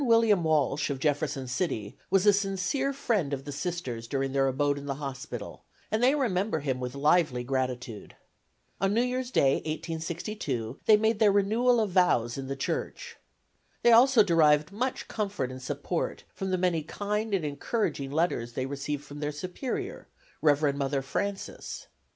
William Walsh, of Jefferson City, was a sincere friend of the Sisters during their abode in the hospital, and they remember him with lively gratitude. On New Year's Day, 1862, they made their renewal of vows in the church. They also derived much comfort and support from the many kind and encouraging letters they received from their superior, Rev. Mother Francis.